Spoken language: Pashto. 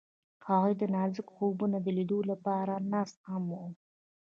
هغوی د نازک خوبونو د لیدلو لپاره ناست هم وو.